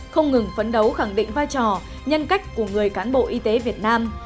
không ngừng phấn đấu khẳng định vai trò nhân cách của người cán bộ y tế việt nam